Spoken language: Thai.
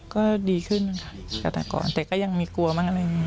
ก็ดีขึ้นค่ะแต่ก็ยังมีกลัวบ้างอะไรอย่างนี้